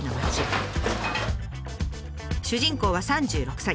主人公は３６歳。